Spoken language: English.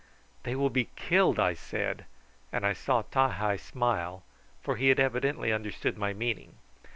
"They will be killed," I said, and I saw Ti hi smile, for he had evidently understood my meaning.